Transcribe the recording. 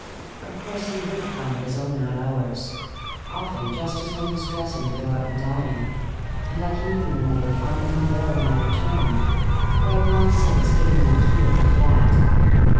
Of course he would come at his own odd hours, often just as one was dressing to go out and dine, and I can even remember finding him there when I returned, for I had long since given him a key of the flat.